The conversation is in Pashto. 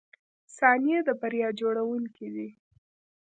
• ثانیې د بریا جوړونکي دي.